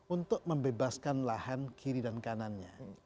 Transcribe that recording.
untuk membebaskan lahan kiri dan kanannya